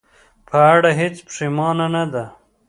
په اړه هېڅ پښېمانه نه ده.